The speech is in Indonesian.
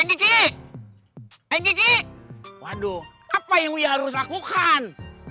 ini waduh apa yang harus lakukan